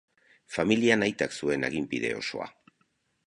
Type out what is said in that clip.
Familian aitak zuen aginpide osoa.